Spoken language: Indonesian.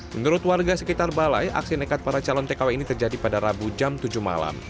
menurut warga sekitar balai aksi nekat para calon tkw ini terjadi pada rabu jam tujuh malam